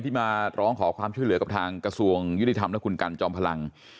มาร้องขอความช่วยเหลือกับทางกระทรวงยุติธรรมและคุณกันจอมพลัง